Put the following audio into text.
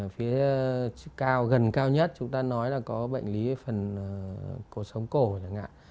phía gần cao nhất chúng ta nói là có bệnh lý phần cuộc sống cổ chẳng hạn